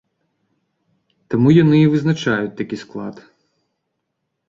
Таму яны і вызначаюць такі склад.